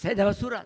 saya dapat surat